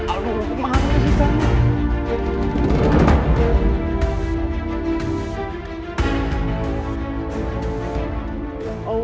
aduh kemana sih kamu